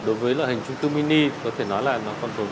đối với loại hình trung cư mini có thể nói là nó còn tồn